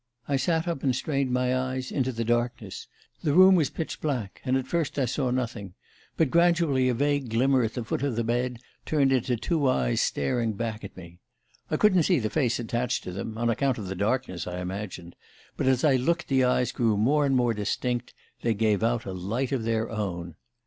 I sat up and strained my eyes into the darkness. The room was pitch black, and at first I saw nothing; but gradually a vague glimmer at the foot of the bed turned into two eyes staring back at me. I couldn't see the face attached to them on account of the darkness, I imagined but as I looked the eyes grew more and more distinct: they gave out a light of their own.